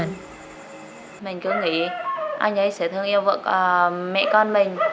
nhiều người đều ứng ý anh ấy sẽ thương yêu mẹ con mình